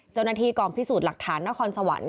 เจ้าหน้าที่กองพิสูจน์หลักฐานนครสวรรค์